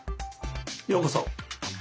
ようこそ。